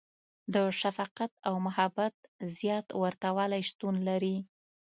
• د شفقت او محبت زیات ورتهوالی شتون لري.